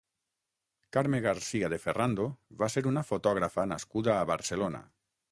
Carme García de Ferrando va ser una fotògrafa nascuda a Barcelona.